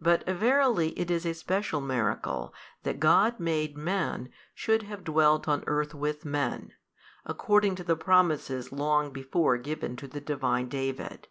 But verily it is a special miracle that God made Man should have dwelt on earth with men, according to the promises long before given to the Divine David.